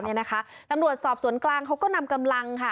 เนี่ยนะคะตำรวจสอบสวนกลางเขาก็นำกำลังค่ะ